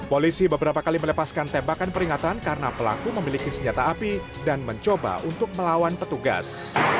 polisi beberapa kali melepaskan tembakan peringatan karena pelaku memiliki senjata api dan mencoba untuk melawan petugas